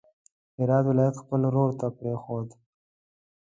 هرات ولایت خپل ورور ته پرېښود.